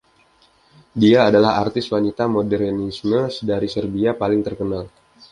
Dia adalah artis wanita modernisme dari Serbia paling terkenal.